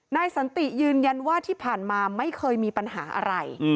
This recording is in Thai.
สันติยืนยันว่าที่ผ่านมาไม่เคยมีปัญหาอะไร